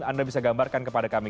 anda bisa gambarkan kepada kami